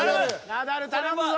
ナダル頼むぞ。